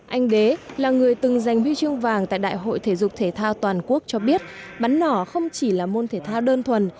anh đế là người từng giành huy chương vàng tại đại hội thể dục thể thao toàn quốc cho biết bắn nỏ không chỉ là môn thể thao đơn thuần